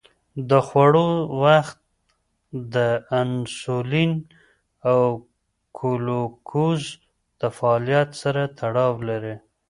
د خوړو وخت د انسولین او ګلوکوز د فعالیت سره تړاو لري.